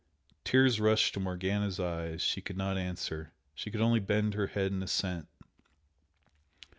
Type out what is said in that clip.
Tears rushed to Morgana's eyes, she could not answer. She could only bend her head in assent.